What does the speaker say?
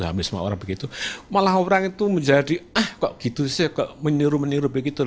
damisme orang begitu malah orang itu menjadi ah kok gitu sih kok meniru meniru begitu